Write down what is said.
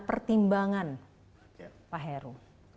pertimbangan pak heru